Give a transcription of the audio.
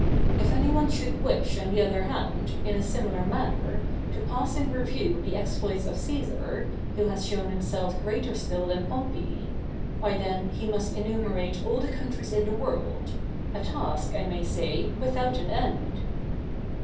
If any one should wish, on the other hand, in a similar manner, to pass in review the exploits of Cæsar, who has shown himself greater still than Pompey, why then, he must enumerate all the countries in the world, a task, I may say, without an end!